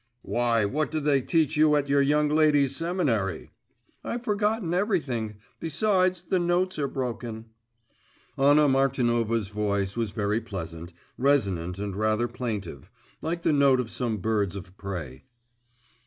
'Why, what did they teach you at your young ladies' seminary?' 'I've forgotten everything besides, the notes are broken.' Anna Martinovna's voice was very pleasant, resonant and rather plaintive like the note of some birds of prey.